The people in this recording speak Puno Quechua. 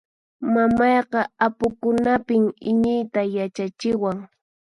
Mamayqa apukunapin iñiyta yachachiwan.